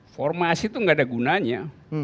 formasi itu nggak ada gunanya